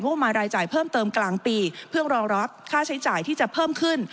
ประมาณรายจ่ายเพิ่มเติมกลางปีเพื่อรองรับค่าใช้จ่ายที่จะเพิ่มขึ้น